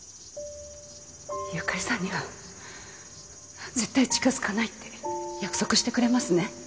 由香利さんには絶対近づかないって約束してくれますね？